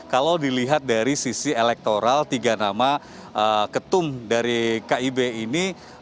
kalau dilihat dari sisi elektoral tiga nama ketum dari kib ini